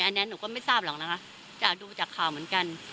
อันนี้หนูก็ไม่ทราบหรอกนะคะจากดูจากข่าวเหมือนกัน